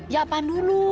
ya apaan dulu